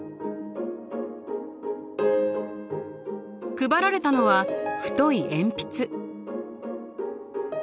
配られたのは太い鉛筆。